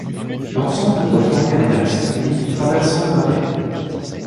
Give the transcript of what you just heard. L'ensemble doit former un axe unique traversant le Marais.